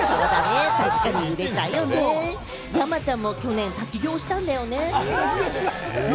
山ちゃんも去年、滝行をしたんだよね？